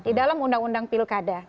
di dalam undang undang pilkada